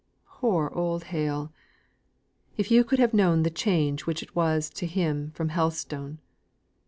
Poor old Hale! If you could have known the change which it was to him from Helstone.